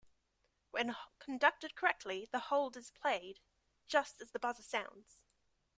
When conducted correctly, the "hold" is played just as the buzzer sounds.